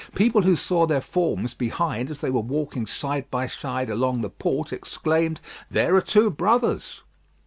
People who saw their forms behind as they were walking side by side along the port, exclaimed, "There are two brothers."